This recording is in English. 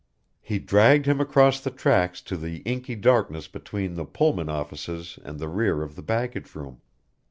He dragged him across the tracks to the inky darkness between the Pullman offices and the rear of the baggage room.